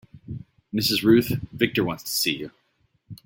Mrs. Ruth Victor wants to see you.